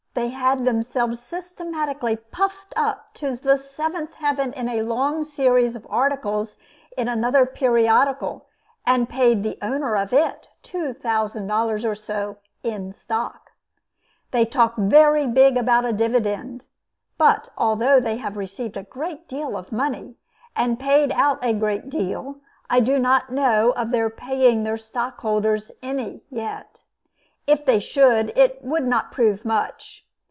They had themselves systematically puffed up to the seventh heaven in a long series of articles in another periodical, and paid the owner of it $2,000 or so in stock. They talk very big about a dividend. But although they have received a great deal of money, and paid out a great deal, I do not know of their paying their stockholders any yet. If they should, it would not prove much.